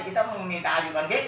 kita mau meminta ajukan bk